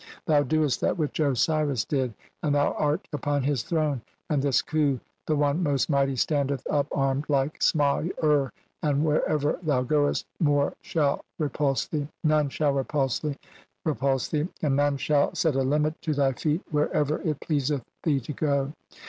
Thou doest "that which Osiris did and thou art upon his throne ; "(25) and this Khu, the one most mighty, standeth "up armed like Sma ur, and wherever thou goest "none shall repulse thee, and none shall set a limit "to thy feet wherever it pleaseth thee to go."